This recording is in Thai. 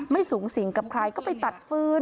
สูงสิงกับใครก็ไปตัดฟื้น